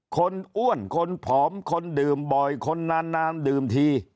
อ้วนคนผอมคนดื่มบ่อยคนนานดื่มที